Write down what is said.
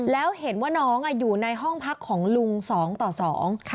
แล้วเห็นว่าน้องอ่ะอยู่ในห้องพักของลุงสองต่อสอง